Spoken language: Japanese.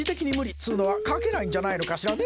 っつのは描けないんじゃないのかしらね